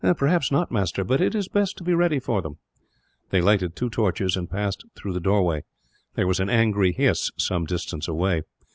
"Perhaps not, master, but it is best to be ready for them." They lighted two torches, and passed through the doorway. There was an angry hiss, some distance away.